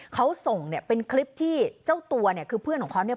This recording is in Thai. เขาส่งเนี่ยเป็นคลิปที่เจ้าตัวเนี่ยคือเพื่อนของเขาเนี่ย